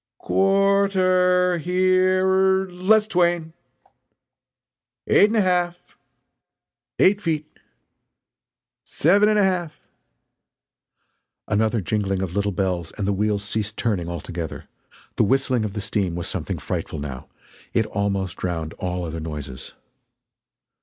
"Quar ter her er less twain!" "Eight and a half!" "Eight feet!" "Seven ana half!" Another jingling of little bells and the wheels ceased turning altogether. The whistling of the steam was something frightful now it almost drowned all other noises.